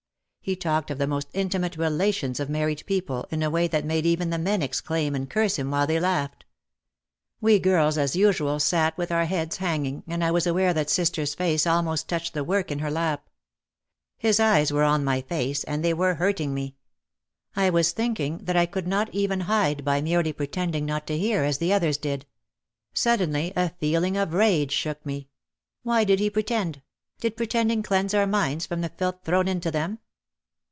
He talked of the most intimate relations of married people in a way that made even the men exclaim and curse him while they laughed. We girls as usual sat with our heads hanging, and I was aware that sister's face almost touched the work in her lap. His eyes were on my face and they were hurting me. I was thinking that I could not even OUT OF THE SHADOW 275 hide by merely pretending not to hear as the others did. Suddenly a feeling of rage shook me. "Why did we pretend ? Did pretending cleanse our minds from the filth thrown into them?"